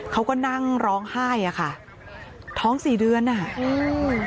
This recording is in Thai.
เขาก็นั่งร้องไห้อ่ะค่ะท้องสี่เดือนอ่ะอืม